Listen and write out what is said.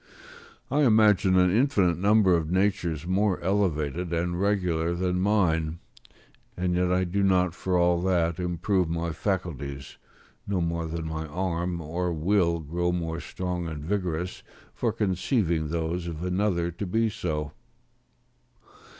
I imagine an infinite number of natures more elevated and regular than mine; and yet I do not for all that improve my faculties, no more than my arm or will grow more strong and vigorous for conceiving those of another to be so.